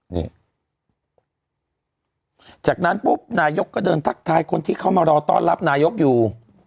นี่จากนั้นปุ๊บนายกก็เดินทักทายคนที่เข้ามารอต้อนรับนายกอยู่